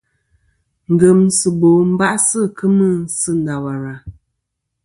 Ngemsɨbo ba'sɨ kemɨ sɨ Ndawara.